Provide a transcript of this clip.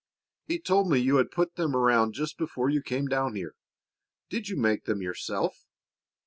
He told me you had put them around just before you came down here. Did you make them yourself?"